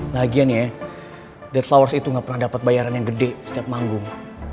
lagian ya that lowers itu gak pernah dapat bayaran yang gede setiap manggung